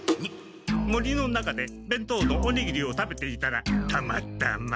森の中でべんとうのおにぎりを食べていたらたまたま。